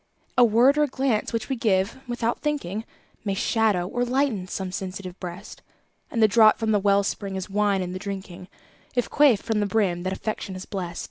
A word or a glance which we give "without thinking", May shadow or lighten some sensitive breast; And the draught from the well spring is wine in the drinking, If quaffed from the brim that Affection has blest.